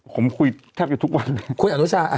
ผมคุยแทบทุกวัน